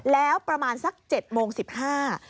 แล้วประมาณสัก๗โมง๑๕บาท